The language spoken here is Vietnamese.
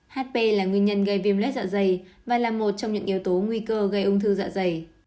hp là nguyên nhân gây viêm lết dạ dày và là một trong những yếu tố nguy cơ gây ung thư dạ dày